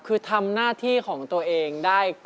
ก็ทำหน้าที่ของตัวเอง